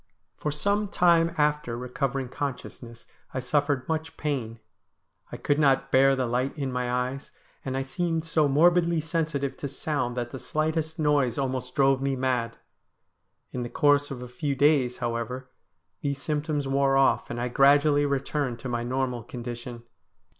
For some time after re covering consciousness I suffered much pain ; I could not bear the light in my eyes ; and I seemed so morbidly sensitive to sound that the slightest noise almost drove me mad. In the course of a few days, however, these symptoms wore off, and I gradually returned to my normal condition.